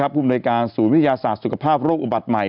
ภูมิในการศูนย์วิทยาศาสตร์สุขภาพโรคอุบัติใหม่